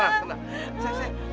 saya tidak mau dijual